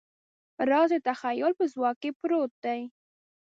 راز د تخیل په ځواک کې پروت دی.